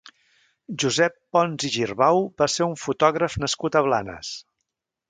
Josep Pons i Girbau va ser un fotògraf nascut a Blanes.